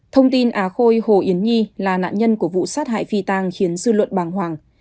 thông tin á khôi hồ yến nhi là nạn nhân của vụ sát hại phi tăng khiến dư luận bàng hoàng